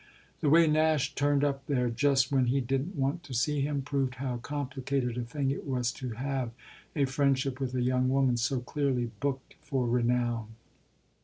The way Nash turned up there just when he didn't want to see him proved how complicated a thing it was to have a friendship with a young woman so clearly booked for renown.